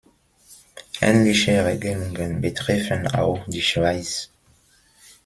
Ähnliche Regelungen betreffen auch die Schweiz.